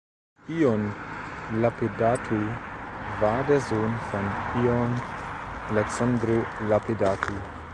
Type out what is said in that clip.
Ion Lapedatu war der Sohn von Ioan Alexandru Lapedatu.